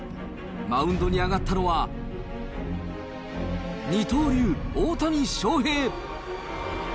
マウンドに上がったのは、二刀流、大谷翔平。